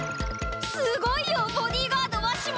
すごいよボディーガードわしも！